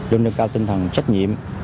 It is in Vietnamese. luôn nâng cao tinh thần trách nhiệm